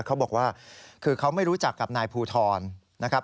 เขาบอกว่าคือเขาไม่รู้จักกับนายภูทรนะครับ